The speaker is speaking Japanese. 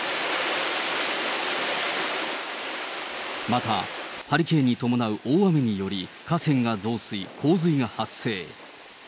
また、ハリケーンに伴う大雨により、河川が増水、洪水が発生。